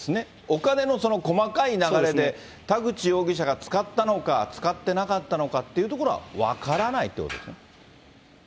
お金の細かい流れで田口容疑者が使ったのか、使ってなかったのかっていうところは分からないっていうわけですね。